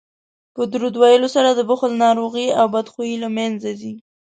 په درود ویلو سره د بخل ناروغي او بدخويي له منځه ځي